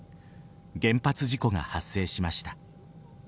原発事故が発生しました。